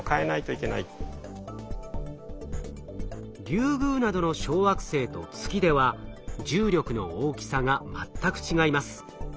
リュウグウなどの小惑星と月では重力の大きさが全く違います。